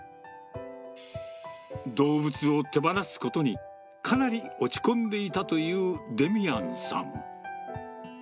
動物を手放すことに、かなり落ち込んでいたというデミアンさん。